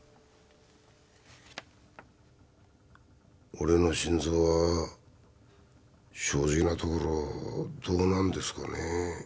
俺の心臓は正直なところどうなんですかね？